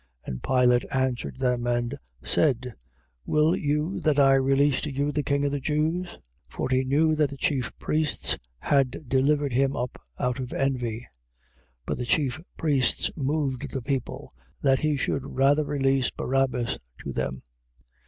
15:9. And Pilate answered them and said: Will you that I release to you the king of the Jews? 15:10. For he knew that the chief priests had delivered him up out of envy. 15:11. But the chief priests moved the people, that he should rather release Barabbas to them.